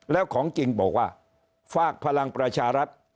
แล้วของจริงบอกว่าฝากพลังประชารัฐ